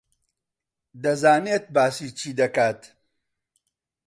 دەزانێت باسی چی دەکات.